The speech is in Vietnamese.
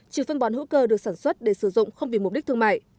trừ phân bón hữu cơ được sản xuất để sử dụng không vì mục đích thương mại